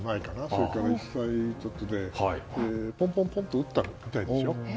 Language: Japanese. それから１歳ちょっとでポンポンっと打ったみたいですよ。